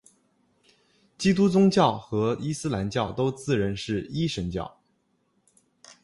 基督宗教和伊斯兰教都自认是一神教。